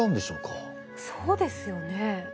そうですよね。